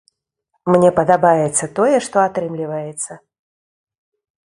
Мне падабаецца тое, што атрымліваецца.